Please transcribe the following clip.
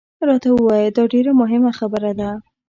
راته ووایه، دا ډېره مهمه خبره ده.